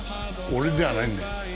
俺じゃないんだよ。